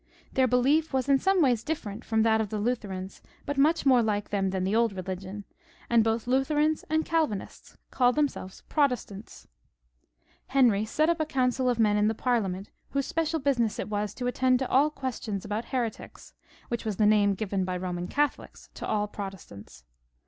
Their belief was in some ways different from that of the Lutherans, but much more like them than like the old religion, and both Lutherans and Calvinists called them selves Protestants. Henry set up a council of men in the Parliament, whose special business it was to attend to all questions about heretics, which was the name given by Eoman Catholics to all Protestants.